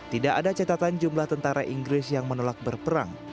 tidak ada catatan jumlah tentara inggris yang menolak berperang